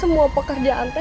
kamu mau seperti itu